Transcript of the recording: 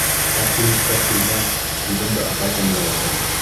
Окулистар килһә, күҙемде аҡайтам да ятам.